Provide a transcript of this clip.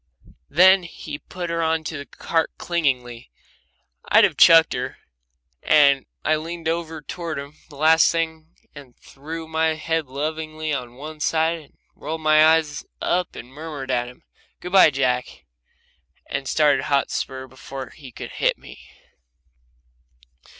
Then he put her into the cart clingingly I'd have chucked her and I leaned over toward him the last thing and threw my head lovingly on one side and rolled my eyes up and murmured at him, "Good bye, Jack," and started Hotspur before he could hit me.